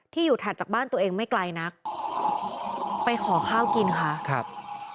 อยู่ถัดจากบ้านตัวเองไม่ไกลนักไปขอข้าวกินค่ะครับ